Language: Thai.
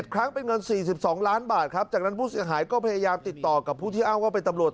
ครั้งเป็นเงิน๔๒ล้านบาทครับจากนั้นผู้เสียหายก็พยายามติดต่อกับผู้ที่อ้างว่าเป็นตำรวจ